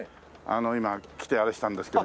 今来てあれしたんですけど。